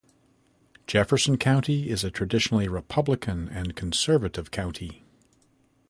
Jefferson County is a traditionally Republican and conservative county.